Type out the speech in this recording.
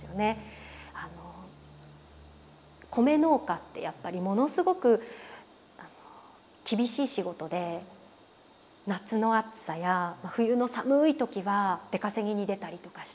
米農家ってやっぱりものすごく厳しい仕事で夏の暑さや冬の寒い時は出稼ぎに出たりとかして。